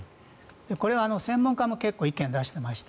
これは専門家も結構意見を出していまして。